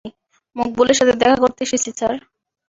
মকবুলের সাথে দেখা করতে এসেছি, স্যার।